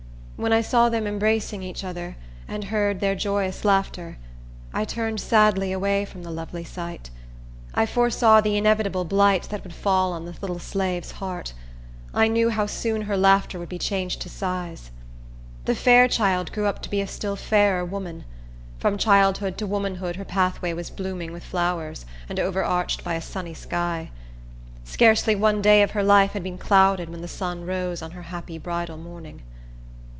When I saw them embracing each other, and heard their joyous laughter, I turned sadly away from the lovely sight. I foresaw the inevitable blight that would fall on the little slave's heart. I knew how soon her laughter would be changed to sighs. The fair child grew up to be a still fairer woman. From childhood to womanhood her pathway was blooming with flowers, and overarched by a sunny sky. Scarcely one day of her life had been clouded when the sun rose on her happy bridal morning.